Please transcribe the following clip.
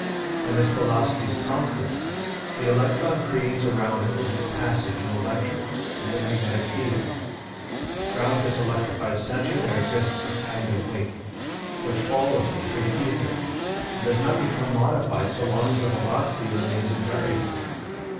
When this velocity is constant, the electron creates around it in its passage an electric and a magnetic field; round this electrified centre there exists a kind of wake, which follows it through the ether and does not become modified so long as the velocity remains invariable.